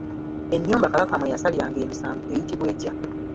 Ennyumba Kabaka mwe yasaliranga emisango eyitibwa etya?